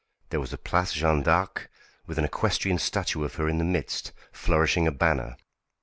There was a Place Jeanne d'Arc, with an equestrian statue of her in the midst, flourishing a banner.